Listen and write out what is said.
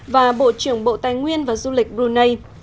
và bộ trưởng bộ tài nguyên và du lịch brunei